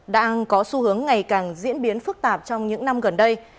đang có xu hướng ngày càng diễn biến phức tạp trong những năm gần đây